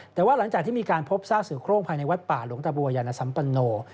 แต่ว่าหลังจากที่มีการพบซากเสือโครงภายในวัดป่าหลวงตะบัวยานสัมปโน